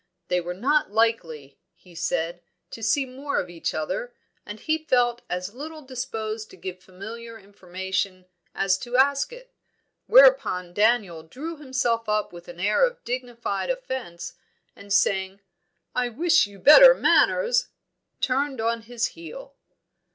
They were not likely, he said, to see more of each other, and he felt as little disposed to give familiar information as to ask it; whereupon Daniel drew himself up with an air of dignified offence, and saying, "I wish you better manners," turned on his heel.